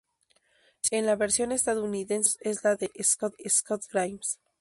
En la versión estadounidense su voz es la de Scott Grimes.